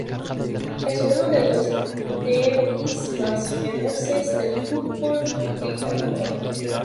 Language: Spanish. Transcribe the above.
Es uno de los derbis más feroces del fútbol británico.